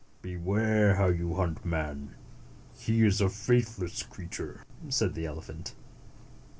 "Beware how you hunt man. He is a faith less creature," said the elephant.